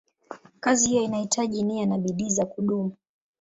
Kazi hiyo inahitaji nia na bidii za kudumu.